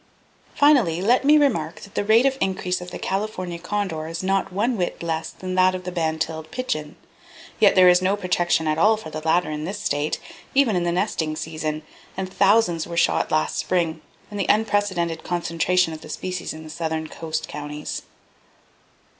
"Finally, let me remark that the rate of increase of the California condor is not one whit less than that of the band tailed pigeon! Yet, [Page 24] there is no protection at all for the latter in this state, even in the nesting season; and thousands were shot last spring, in the unprecedented concentration of the species in the southern coast counties.